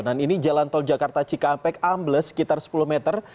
ini jalan tol jakarta cikampek ambles sekitar sepuluh meter